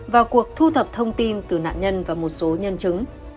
vào cuộc thu thập thông tin từ nạn nhân và một số nhân chứng